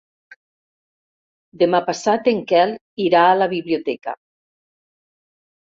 Demà passat en Quel irà a la biblioteca.